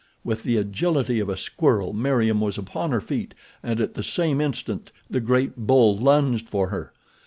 With the agility of a squirrel Meriem was upon her feet and at the same instant the great bull lunged for her.